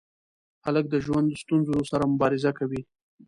هلک د ژوند ستونزو سره مبارزه کوي.